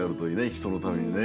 ひとのためにね。